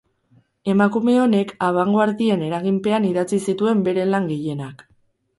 Emakume honek, abanguardien eraginpean idatzi zituen bere lan gehienak.